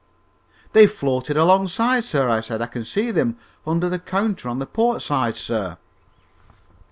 "They've floated alongside, sir," I said. "I can see them under the counter on the port side, sir."